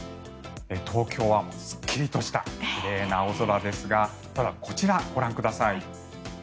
東京はすっきりとした奇麗な青空ですがただ、こちら、ご覧ください。